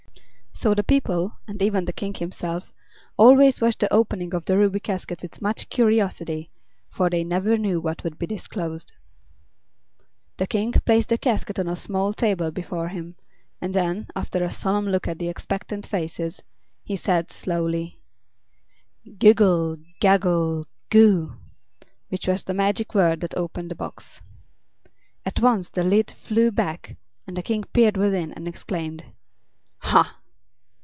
So the people, and even the King himself, always watched the opening of the Ruby Casket with much curiosity, for they never knew what would be disclosed. The King placed the casket on a small table before him, and then, after a solemn look at the expectant faces, he said, slowly: "Giggle gaggle goo!" which was the magic word that opened the box. At once the lid flew back, and the King peered within and exclaimed: "Ha!"